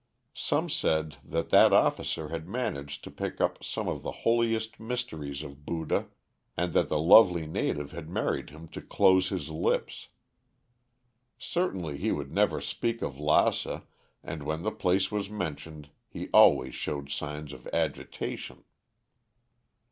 Some said that that officer had managed to pick up some of the holiest mysteries of Buddha, and that the lovely native had married him to close his lips. Certainly, he would never speak of Lassa and when the place was mentioned he always showed signs of agitation.